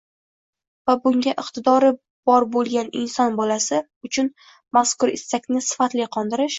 va bunga iqtidori bor bo‘lgan inson bolasi uchun mazkur istakni sifatli qondirish